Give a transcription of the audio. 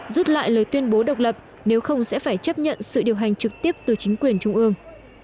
rút lại lời tuyên bố độc lập nếu không sẽ phải chấp nhận sự điều hành trực tiếp từ chính quyền trung ương